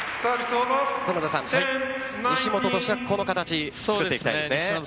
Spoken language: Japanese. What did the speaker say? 西本としてはこの形を作っていきたいですね。